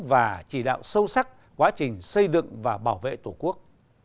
và chỉ đạo sâu sắc quá trình xây dựng và bảo vệ tổ quốc